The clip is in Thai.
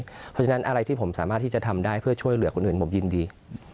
เพราะฉะนั้นอะไรที่ผมสามารถที่จะทำได้เพื่อช่วยเหลือคนอื่นผมยินดี